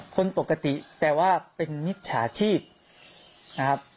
คนปกติแต่ว่าเป็นมิจฉาชีพนะครับ